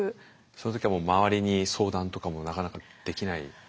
その時はもう周りに相談とかもなかなかできない。